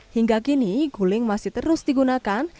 hingga kini guling masih terus digunakan